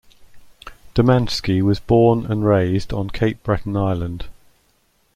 Domanski was born and raised on Cape Breton Island.